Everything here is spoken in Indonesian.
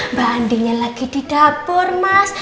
mbak andinya lagi di dapur mas